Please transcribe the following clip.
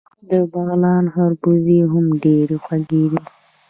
د بغلان خربوزې هم ډیرې خوږې دي.